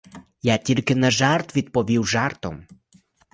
Я тільки на жарт відповів жартом.